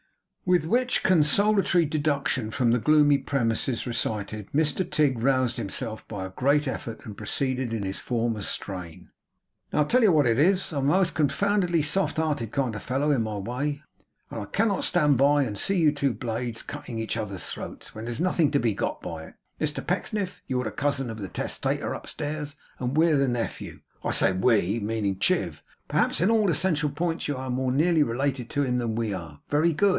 With which consolatory deduction from the gloomy premises recited, Mr Tigg roused himself by a great effort, and proceeded in his former strain. 'Now I'll tell you what it is. I'm a most confoundedly soft hearted kind of fellow in my way, and I cannot stand by, and see you two blades cutting each other's throats when there's nothing to be got by it. Mr Pecksniff, you're the cousin of the testator upstairs and we're the nephew I say we, meaning Chiv. Perhaps in all essential points you are more nearly related to him than we are. Very good.